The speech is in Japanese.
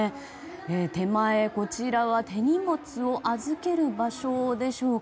手前、こちらは手荷物を預ける場所でしょうか。